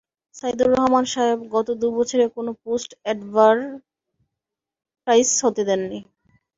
সাইদুর রহমান সাহেব গত দু বছরে কোনো পোস্ট অ্যাডভারটাইজড হতে দেন নি।